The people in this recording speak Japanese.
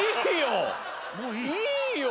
もういいよ！